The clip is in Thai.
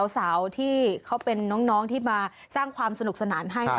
สาวที่เขาเป็นน้องที่มาสร้างความสนุกสนานให้